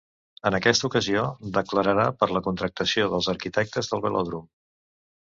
En aquesta ocasió, declararà per la contractació dels arquitectes del velòdrom.